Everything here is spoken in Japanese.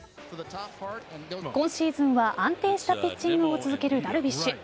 今シーズンは安定したピッチングを続けるダルビッシュ。